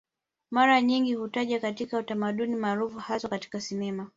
Mara nyingi hutajwa katika utamaduni maarufu haswa katika sinema